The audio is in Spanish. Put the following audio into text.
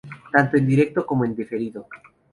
Tanto en directo como en diferido.